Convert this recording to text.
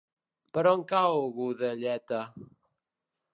Per on cau Godelleta?